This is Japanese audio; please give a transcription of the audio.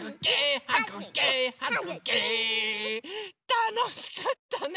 たのしかったね！